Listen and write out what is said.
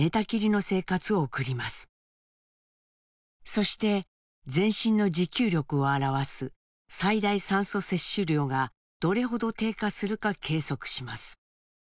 そして全身の持久力を表す最大酸素摂取量がどれほど低下するか計測します。